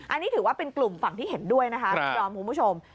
อันนี้ถือว่าเป็นกลุ่มฝั่งที่เห็นด้วยนะคะคุณดอมคุณผู้ชม